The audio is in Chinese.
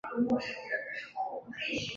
生态系统只是环境系统中的一个部分。